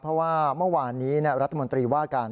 เพราะว่าเมื่อวานนี้รัฐมนตรีว่าการ